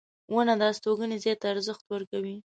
• ونه د استوګنې ځای ته ارزښت ورکوي.